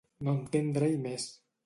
No entendre-hi més.